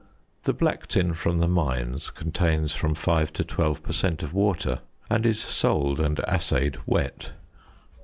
The black tin from the mines contains from 5 to 12 per cent. of water, and is sold and assayed wet.